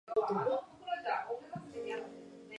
新装版になったら挿絵が大幅に削除されていてショックだった。